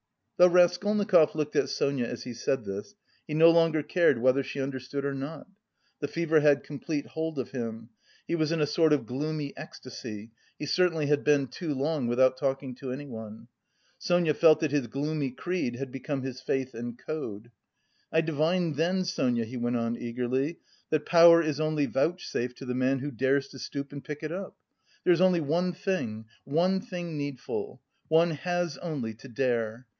Though Raskolnikov looked at Sonia as he said this, he no longer cared whether she understood or not. The fever had complete hold of him; he was in a sort of gloomy ecstasy (he certainly had been too long without talking to anyone). Sonia felt that his gloomy creed had become his faith and code. "I divined then, Sonia," he went on eagerly, "that power is only vouchsafed to the man who dares to stoop and pick it up. There is only one thing, one thing needful: one has only to dare!